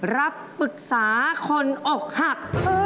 รับปรึกษาคนอกหัก